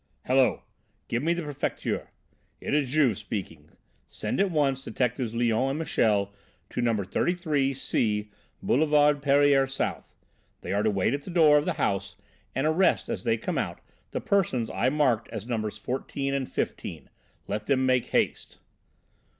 "Hello! Give me the Prefecture. It is Juve speaking. Send at once detectives Léon and Michel to No. 33 C Boulevard Pereire South. They are to wait at the door of the house and arrest as they come out the persons I marked as numbers 14 and 15. Let them make haste."